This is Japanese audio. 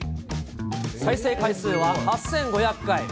再生回数は８５００回。